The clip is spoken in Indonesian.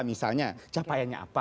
misalnya capaiannya apa